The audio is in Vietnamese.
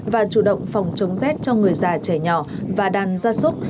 và chủ động phòng chống rét cho người già trẻ nhỏ và đàn gia súc